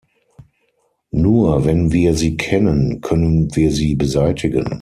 Nur wenn wir sie kennen, können wir sie beseitigen.